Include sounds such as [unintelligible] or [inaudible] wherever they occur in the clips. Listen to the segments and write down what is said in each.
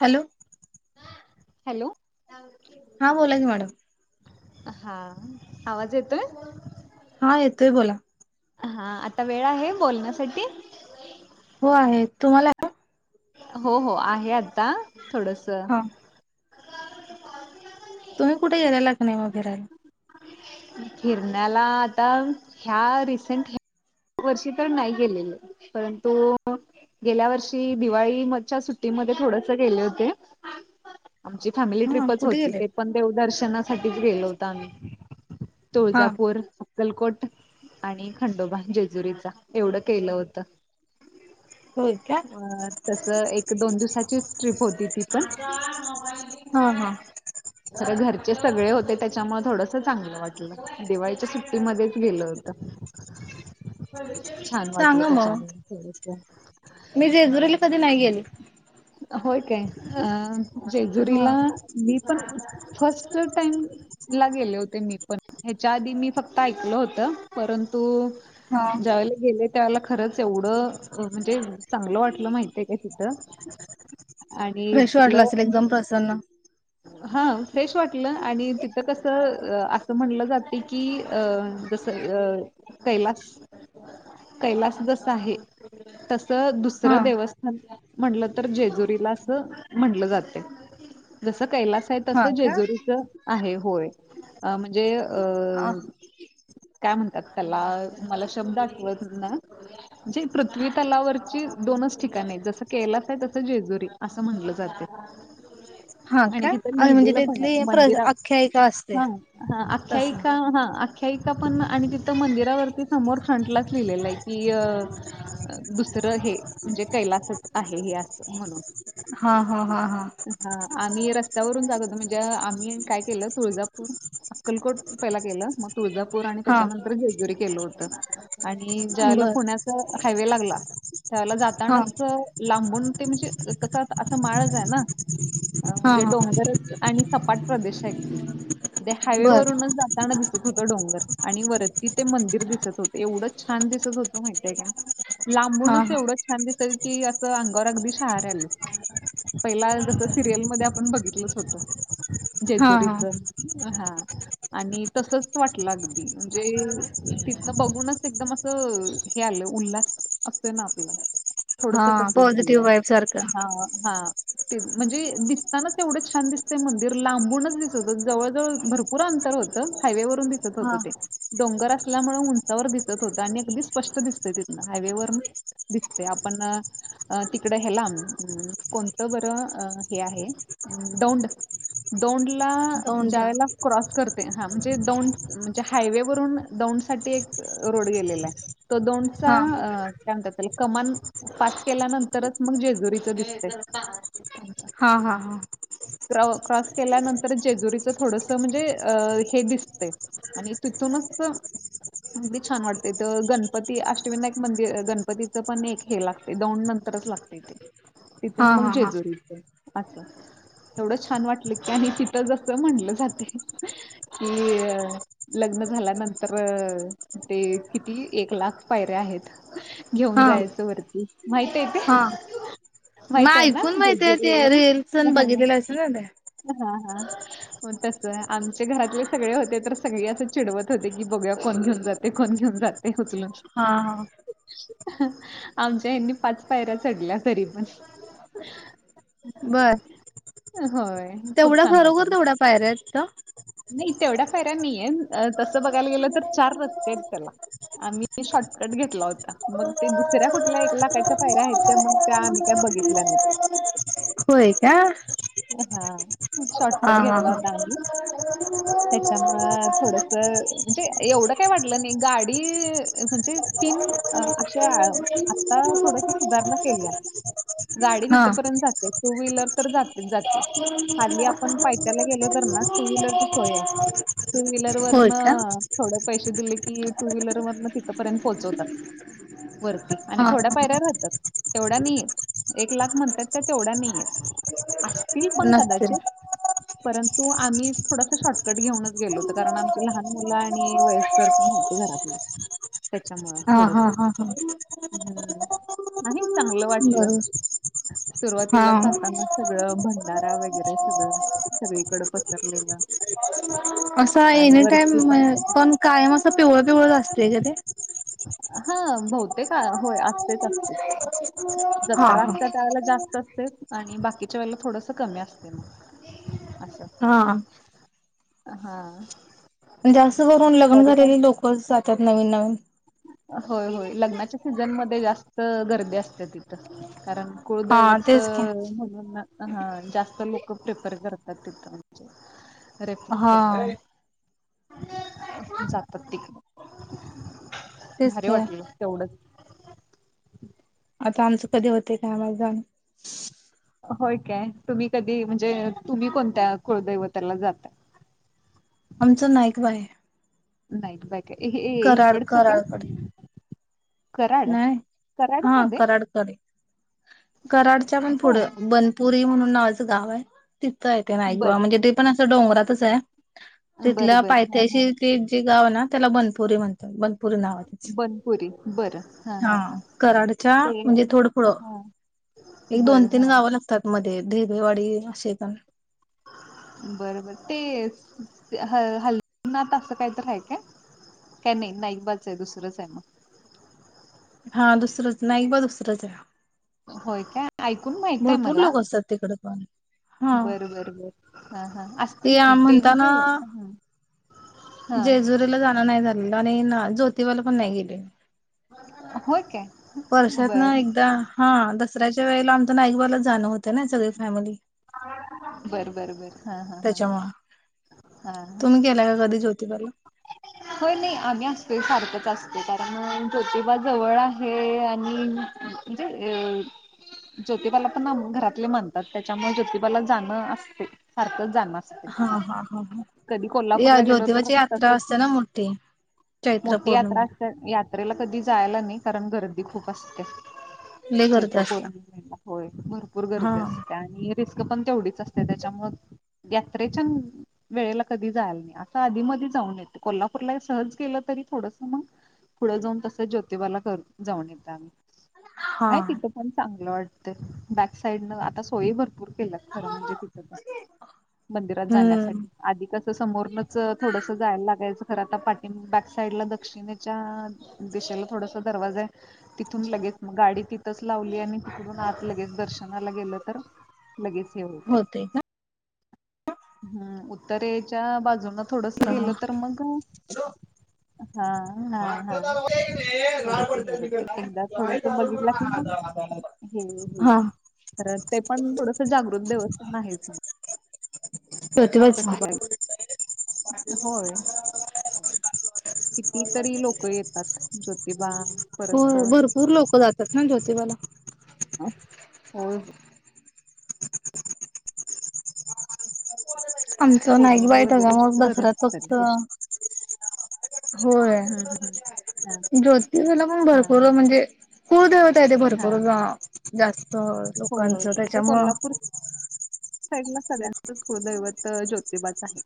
Hello hello हा बोलाची madam हा आवाज येतोय हा येतोय बोला हा आता वेळ आहे बोलण्यासाठी हो आहे तुम्हाला हो हो आहे आता थोडस हा तुम्ही कुठे गेलेला क नाही वग फिरायला हिरण्याला आता ह्या रिसेंट ह वर्षी तर नाही गेलेले परंतु गेल्या वर्षी दिवाळी म सुट्टीमध्ये थोड ओके आमची फॅमिली हा ट्रीपच कुठे होती गेले ते पण देव दर्शन साठीच गेहिलो होत आम्ही हा तुळजापूर अकलकोट आणि खंडोबा ज मजुरी एवढं केलं होत होय का तस एक दोन दिवसा टप होती त हा हा पण घरचे सगळे होते त्यामुळे थोडस चांगलं वाटलं दिवाळीच्या सुट्टीमध्येच गेलं होत ह छान वाटलं सांगा त्या चान मग थोडस मी जेजुरीला कधी नाही गेली हो काय अ हा जेजुरीला मी पण फर्स्ट टाइम ला गेले होते मी पण च्या आधी मी फक्त ऐकल होतं परंतु हा ज्या वेळेला गेले त्या वेळेला खरंच एवढं म्हणजे चांगलं वाटलं माहितय आहे काय तिथ. आणि फ्रेश तिथलं वाटलं असेल एकदम म्हणजे प्रसन्न हा फ्रेश वाटलं आणि तिथ कस असं म्हटलं जातय की जस कैलास कैलास जस आहे तसं. हा दुसरं देवस्थान म्हणलं जातं. तर जेजुरीला अस म्हटलं जातय. जस कैलास आहे तस हा का जेजुरीच आहे होय. अ म्हणजे अ अ काय म्हणतात? त्याला मला शब्द आठव ना, जे पृथ्वी तलावरची दोनच ठिकाणी आहेत. जस कैलास आहे, तसं जेजुरी असं म्हणलं जातय. हा आणि का तिथं अ म्हणजे लिहिलेलं पण आहे तिथली प्र मंदिरात आख्यायिका असते हा हा तस आख्यायिका हा हा. आख्यायिका पण आणि तिथं मंदिरावरती समोर फ्रंटलाच लिहिलेलं आहे की दुसरं ह दुसर हे म्हणजे कैलासच आहे हे अस म्हणून हा हा हा हा आणि रस्त्यावरून जात होत म्हणजे आम्ही काय केलं तुळजापूर, अक्कलकोट पहिला केलं मग तुळजापूर आणि हा त्याच्यानंतर जेजुरी केल होत. तो. आणि ज्यावेळेला बर पुण्यात हायवे लागला त्या वेळेला हा जातानाच लांबून ते म्हणजे कस अस असं माळच आहे ना. हा म्हणजे हा डोंगरच आणि सपाट प्रदेश हाय अगदी बर हायवेवरूनच जाताना दिसत होत डोंगर आणि वरती ते मंदिर दिसत होते एवढंच छान दिसत होत माहितीय का? हा लांबूनच हा एवढंच छान दिसत की असं अंगावर अगदी शहार आल. पहिला जस सिरियल मध्ये आपण बघितलच होत. हा हा जेजुरीच. हा आणि तसच वाटलं अगदी म्हणजे तिथनं बघूनच एकदम असं हे आलं उल्हास असतय ना आपलं. हा थोडस तसच पॉझिटिव्ह झालंय. वाईब सारखं हा हा. [inaudible] म्हणजे दिसतानाच तेवढं छान दिसतय मंदिर लांबूनच दिसत जवळ जवळ भरपूर अंतर होतं हायवेवरून. दिसत होत ते डोंगरात असल्या मूळ उंचावर दिसत होत आणि अगदी स्पष्ट दिसते तिथन हायवेवर दिसते आपण तिकडे ह्याला कोणतं बरं बरं हे आहे दौंड दौंड न ज्यावेळेला क्रॉस करत हा म्हणजे दौंड म्हणजे हायवे वरून दौंड साठी एक रोड गेलेला आहे तो दौंड चा हा काय म्हणतात त्याला कमान पास केल्यानंतरच मग जेजुरीच दिसते हा हा हा क्रॉस केल्यानंतर जेजुरीचं थोडस म्हणजे अ हे दिसतय आणि तिथूनच अगदी छान वाटते तर गणपती अष्टविनायक मंदिर गणपतीचं पण एक हे लागते दोंड नंतरच लागते ते. हा हा तिथून हा मग हा जेजुरी. अच्छा एवढं छान वाटलं की आणि तिथ ज असं म्हटलं जाते कि लग्न झाल्यानंतर अ ते किती एक लाख पायऱ्या आहेत घेऊन हा जायचं वरती माहित आहे हा ते मग माहित आहे ना ऐकून माहिती आहे जेजुरी ते रिल्स [unintelligible] हा हा हो तस आमच्या घरातले सगळे होते तर सगळे असं चिडवत होते की बघया कोण घेऊन जाते कोण घेऊन जाते. उचलून हा हा आमच्या यांनी पाच पायऱ्या चढल्या तरी पण. बरं होय खूप तेवढा छान खरोघर वाटलं तेवढ्या पायऱ्या आहेत का. नाही तेवढ्या पायऱ्या नाहीेये तसं बघायला गेलं तर चार रस्ते आहेत त्याला आम्ही शॉर्टकट घेतला होता मग ते दुसऱ्या कुठल्या एक लाखाच्या फायऱ्या आहेत त्या मग त्या आम्ही काय बघितल्या नाही. होय का. हा खूप शॉर्टकट हा हा घेतला हा होता आम्ही त्याच्यामुळ थोडस म्हणजे एवढं काय वाटलं नाही गाडी म्हणजे तीन अशा आता थोडस सुधारणा केल्या गाडी हा तिथपर्यंत जाते. टू व्हीलर तर जात जाते. खाली आपण पायथ्याला गेलो तर ना टू व्हीलरची सोय आहे टू व्हीलर होय वरन का थोड पैसे दिले की टू व्हीलर मधन तिथपर्यंत पोचवतात वरती आणि हा थोड्या पायऱ्या राहतात. तेवढा नाही ये एक लाख म्हणतात त्या तेवढा नाही ये. असतील पण नसतील कदाचित. परंतु आम्ही थोडासा शॉर्टकट घेऊनच गेलो होत कारण आमची लहान मुलं आणि वयस्कर पण होते घरातले. त्याच्यामुळं हा थोडस हा हा हा हम्. नाही चांगलं वाटलं बरोबर हा सुरुवातीलाच जाताना. [unintelligible] भंडारा वगैरे सगळं, सगळीकड पसरलेलं. असं आणि एनी टाइम वरती पण कायम असं पिवळ पिवळ असतेय का ते? हा बहुतेक होय असतेच असते. हा हा जत्राच्या टायमाला जास्त आणि बाकीच्या वेळेला थोडस कमी असते. असं हा हा जास्त करून लग्न तरी पण झालेले लोक असतात. त्यात नवीन नवीन होय होय लग्नाच्या सीझन मध्ये जास्त गर्दी असते तिथं कारण हा कुळदैवत तेच की. म्हणून हा जास्त लोक प्रिफर करतात तिथं म्हणजे रेफर हा करतात. जातात तिकडे तेच भारी की वाटलं तेवढंच आता आमच कधी होते गावाला जाणं. होय काय तुम्ही कधी म्हणजे तुम्ही कोणत्या कुळदैवताला जाताय. आमचं नाईक बा आहे. नाईक बा हे इकडचं काय. कराडकडे कराड नाही, कराड हा मध्ये कराड कडे, कराडच्या पण हो पुढं बनपुरी म्हणून नावाचं गाव आहे. तिथ आहे ते नाईकबा बरं म्हणजे ते पण डोंगरातच आहे. तिथल्या बरं बरं हा हा पायथ्याशी ते जे गाव ना त्याला बनपुरी म्हणतो बनपुरी नावाच हा कराडच्या ते म्हणजे थोडं फुडं हा एक दोन बरं तीन हा गावं लागतात मध्ये ढेगेवाडी असे पण बरोबर ते ह हलनाथ असं काही तर आहे काय? काय नाही नाईकबाच आहे दुसरंच आहे मग हा दुसरंच, नाईकबा दुसरंच आहे. होय काय ऐकून माहित आहे भरपूर मला, लोक असतात तिकडे पण हा बर बर बर हा हा. असतील की ते म्हणजे हा जेजुरीला जाण नाही झालं. नाही ना ज्योतिबा ला पण नाही गेले. होय की वर्षातन एकदा हा दस दसऱ्याच्या वेळेला आमचं नाईकबारला जाणं होतं ना सगळे फॅमिली बर-बर-बर त्याच्यामुळे हा-हा-हा-हा. तुम्ही गेला का कधी ज्योतिबाला होय नाही आम्ही असतोय, सारखंच असत कारण ज्योतिबा जवळ आहे. आणि म्हणजे ज्योतिबाला पण घरातले म्हणतात. त्याच्यामुळे ज्योतिबाला जाणं असते सारखंच जाणं असते हा-हा ह-ह कधी या कोल्हापूरला गेलो तर ज्योतिवाची यात्रा तसच असते ना चैत्र मोठी यात्रा पौर्णिमेला असते यात्रेत मग कधी जायला नाही कारण गर्दी खूप असते. लय गर्दी चैत्र असते पौर्णिमेला होय भरपूर हा गर्दी असते आणि रिस्क पण तेवढीच असते त्याच्यामुळ यात्रेच्या वेळेला कधी जायला नाही असं आधी मधी जाऊन येते कोल्हापूरला सहज केलं तरी थोडस मग पुढं जाऊन तसं ज्योतिबाला जाऊन येणार हा आहेय तिथे पण चांगल नॉट द बॅक साईडन आता सोयी भरपूर खरं म्हणजे तिथ पण मंदिरात हम्म जाण्यासाठी आधी कसं समोरनच थोडस जायला लागायचं खरं आता पाटि बॅक साइड ला दक्षिणेच्या दिशेला थोडासा दरवाजा आहे, तिथून लगेच गाडी तिथच लावली आणि तिथून आज लगेच दर्शनाला गेलं तर लगेच हे होते हम्म दरेच्या बाजून थोडंस गेलं का तर मग हा हा हा मागचा दरवाजा राड थोडस हे पडतात होते. तिकडला एकदा थोडस बघितलं की मग हे होईल, हा तर ते पण थोडस जागृत देवस्थान आहेच [inaudible] प्रतिमच तसं आहे. बघ होय [inaudible] कितीतरी लोक येतात ज्योतिबा परत होय अ भरपूर लोक जातात ना ज्योतिबाला होय आमचं नाईठ पौर्णिमेला बाईट वगैरे होता मग जास्त गर्दी दसरा असते फक्त तशी होय हम्म हम्म हम्म. ज्योतिला पण हा भरपूर म्हणजे कुल लय देवता आहे ते हा हा भरपूर जास्त तर होय होय लोकांचं इथं त्याच्यामुळ कोल्हापूर साईड ला सगळ्यांचच कूलदैवत ज्योतिबाच आहे.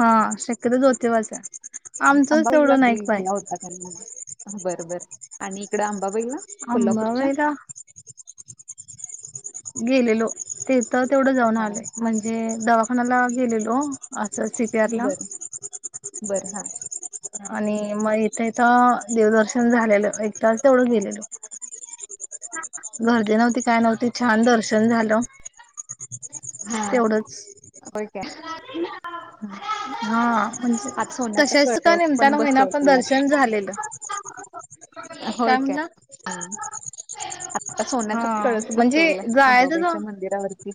हा शक्यतो जोतेवाज [inaudible] बरं बरं आणि इकडं आबां अंबाबाईला? गेलेलो ते- तर तेवढं जाऊन आलोय म्हणजे, दवाखान्याला गेलेलो- असं सीपी आर ला- बरं बरं! हा! आणि मग इथं इथं देवदर्शन झालेलं एक तास तेवढं गेलेलो. गर्दी नव्हती काय नव्हती छान दर्शन झालं. तेवढंच- ह... हा म्हणजे तशच का कळस पण निमताना का वहिना पण बसवलेला दर्शन झालेलं. काय म्हला? हा... आ सोन्याचा कळस बसवला. जायचंच आंबाबाईच्या मंदिरावरती-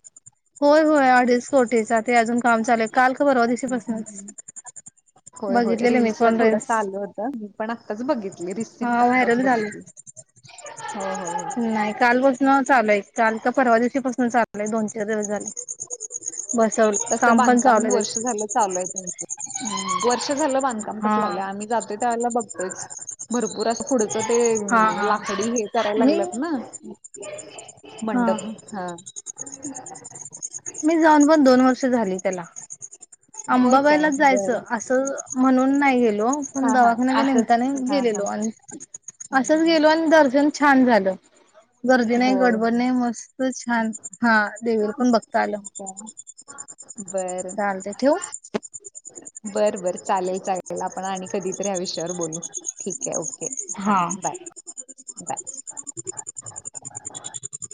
होय होय अडीच कोटीचा ते अजून काम चालेल काल का परवा दिशीपासूनच होय होय बघितलेले मी रील्सला पण ्रेस. थोडस आलं होतं पण आत्ताच बघित. हा व्हायरल झाले. हो हो हो नाही कालपासून चालूय काल परवा दिवशी पासून चालू. दोन चार दिवस झाले. बसवलं तस काम पण बांधकाम चालू आहे वर्ष त्याचं झालं चालू आहे त्यांचं. ह वर - झालं बांधकाम हा कसं चालूये आम्ही जातो त्यावेळेला बघ- भरपूर अस पुढे - ते हा हा. लाकडी हे करायला मी लागलत ना मंडप. हा! मी जाऊन पण दोन वर्ष झाली त्याला. होय काय अंबाबाईलाच जायचं. बरं असं, म्हणून नाही गेले. हो पण हा हा दवाखान्याच्या असंच निेमताने हा हा. गेलेलो आणि- असंच गेलो आणि दर्शन- छान झालं. गर्दी नाही होय गडबड नाही मस्त छान, हा देवीला पण बघता आलं. बरं. चाल ते ठेवू? बरं बरं चालेल चालेल आपण आणि कधीतरी ह्या विषयावर बोलू ठीक आहे ओके ओके हां हा बाय बाय [inaudible]